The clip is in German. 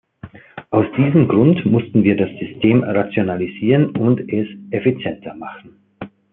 Aus diesem Grund mussten wir das System rationalisieren und es effizienter machen.